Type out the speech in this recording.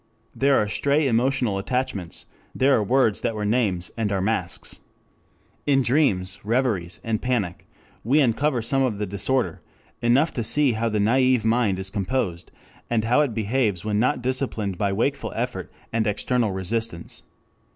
There are stray emotional attachments, there are words that were names and are masks. In dreams, reveries, and panic, we uncover some of the disorder, enough to see how the naive mind is composed, and how it behaves when not disciplined by wakeful effort and external resistance.